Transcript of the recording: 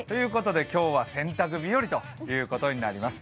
今日は洗濯日和ということになります。